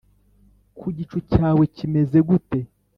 ku gicu cyawe kimeze gute